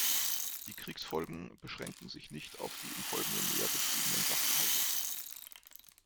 Die Kriegsfolgen beschränken sich nicht auf die im Folgenden näher beschriebenen Sachverhalte.